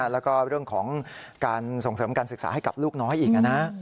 แล้วก็เรื่องของการส่งเสริมการศึกษาให้กับลูกน้อยอีกนะ